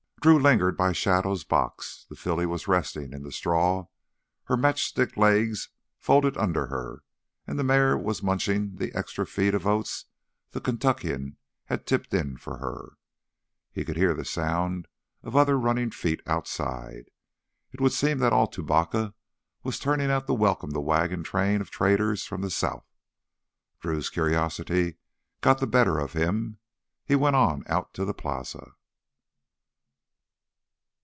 Drew lingered by Shadow's box. The filly was resting in the straw, her match stick legs folded under her, and the mare was munching the extra feed of oats the Kentuckian had tipped in for her. He could hear the sound of other running feet outside. It would seem that all Tubacca was turning out to welcome the wagon train of traders from the south. Drew's curiosity got the better of him. He went on out to the plaza.